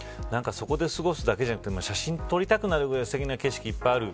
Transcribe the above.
そこで過ごすだけじゃなくて写真撮りたくなるくらいすてきな景色がいっぱいある。